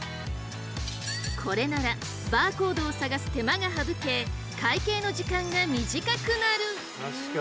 これならバーコードを探す手間が省け会計の時間が短くなる！